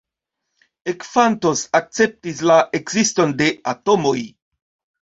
Ekfantos akceptis la ekziston de atomoj.